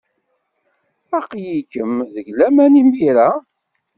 Aql-ikem deg laman imir-a.